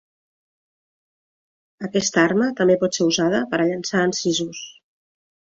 Aquesta arma també pot ser usada per a llançar encisos.